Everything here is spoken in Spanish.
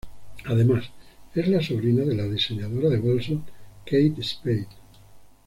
Además es la sobrina de la diseñadora de bolsos Kate Spade.